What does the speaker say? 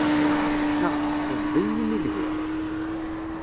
Neɣ tḥesdeḍ-iyi imi i lhiɣ?